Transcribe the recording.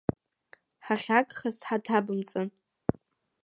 Ҳахьагхаз ҳаҭабымҵан.